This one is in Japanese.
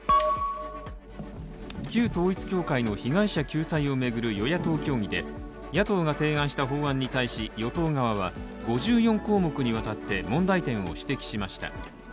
旧統一教会の被害者救済を巡る与野党協議で野党が提案した法案に対し与党側は５４項目にわたって問題点を指摘しました。